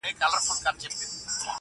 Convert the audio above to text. کال په کال یې زیاتېدل مځکي باغونه-